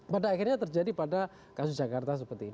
pada akhirnya terjadi pada kasus jakarta seperti ini